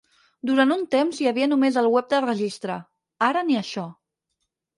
Durant un temps hi havia només el web de registre; ara ni això.